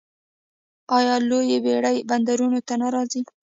آیا لویې بیړۍ بندرونو ته نه راځي؟